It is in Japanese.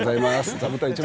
座布団１枚。